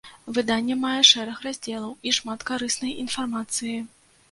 Выданне мае шэраг раздзелаў і шмат карыснай інфармацыі.